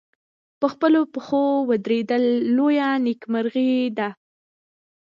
په خپلو پښو ودرېدل لویه نېکمرغي ده.